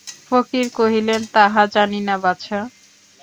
ফকির কহিলেন, তাহা জানি না বাছা।